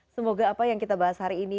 semoga apa yang kita bahas hari ini